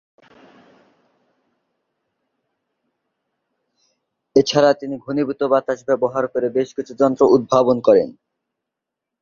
এছাড়া তিনি ঘনীভূত বাতাস ব্যবহার করে বেশ কিছু যন্ত্র উদ্ভাবন করেন।